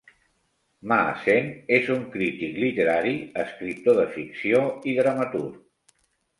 Ma Sen és un crític literari, escriptor de ficció i dramaturg.